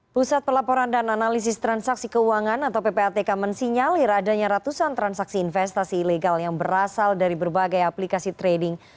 pusat pelaporan dan analisis transaksi keuangan atau ppatk mensinyalir adanya ratusan transaksi investasi ilegal yang berasal dari berbagai aplikasi trading